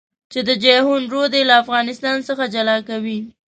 چې د جېحون رود يې له افغانستان څخه جلا کوي.